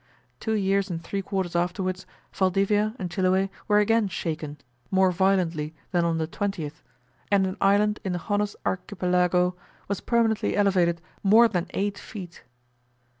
Two years and three quarters afterwards, Valdivia and Chiloe were again shaken, more violently than on the 20th, and an island in the Chonos Archipelago was permanently elevated more than eight feet.